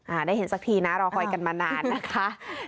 ได้เห็นสักทีนะรอคอยกันมานานนะคะ